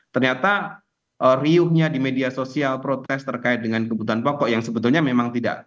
ternyata riuhnya di media sosial protes terkait dengan kebutuhan pokok yang sebetulnya memang tidak